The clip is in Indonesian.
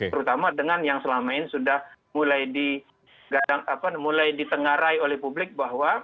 terutama dengan yang selama ini sudah mulai ditengarai oleh publik bahwa